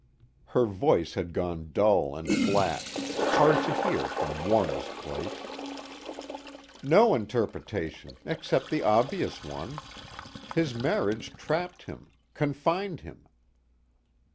Her voice had gone dull and flat, hard to hear from Warner's place: "No interpretation except the obvious one. His marriage trapped him, confined him."